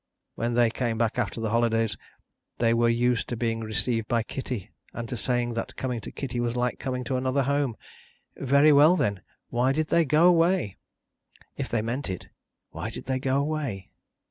When they came back after the holidays, they were used to being received by Kitty, and to saying that coming to Kitty was like coming to another home. Very well then, why did they go away? If the meant it, why did they go away?